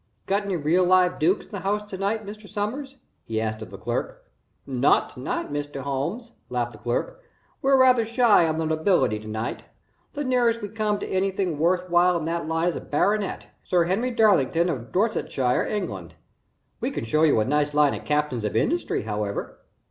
"Got any real live dukes in the house to night, Mr. Sommers?" he asked of the clerk. "Not to night, Mr. Holmes," laughed the clerk. "We're rather shy on the nobility to night. The nearest we come to anything worth while in that line is a baronet Sir Henry Darlington of Dorsetshire, England. We can show you a nice line of Captains of Industry, however."